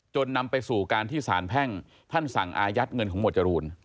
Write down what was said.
นำไปสู่การที่สารแพ่งท่านสั่งอายัดเงินของหวดจรูน